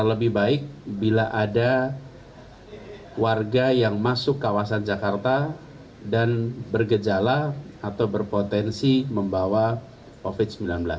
lebih baik bila ada warga yang masuk kawasan jakarta dan bergejala atau berpotensi membawa covid sembilan belas